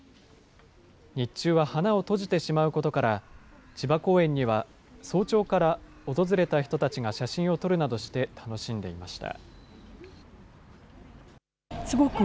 日中は花を閉じてしまうことから、千葉公園には、早朝から訪れた人たちが写真を撮るなどして楽しんでいました。